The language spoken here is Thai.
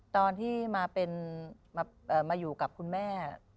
ตอนที่มาเป็นมาอยู่กับคุณแม่